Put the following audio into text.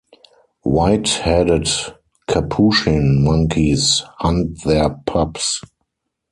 White-headed capuchin monkeys hunt their pups.